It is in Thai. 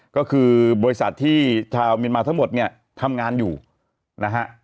ก็คือบริษัทที่ชาวเมียนมาทั้งหมดเนี่ยทำงานอยู่นะฮะ